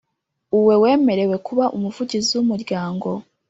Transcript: Uwewemerewe kuba umuvugizi w umuryango